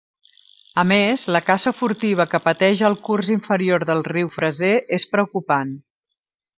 A més, la caça furtiva que pateix al curs inferior del riu Fraser és preocupant.